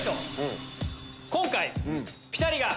今回ピタリが。